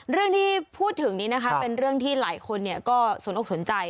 เรื่องที่พูดถึงนี้นะคะเป็นเรื่องที่หลายคนก็สนอกสนใจ